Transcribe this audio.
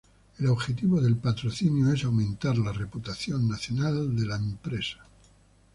El objetivo del patrocinio es aumentar la reputación nacional de la empresa.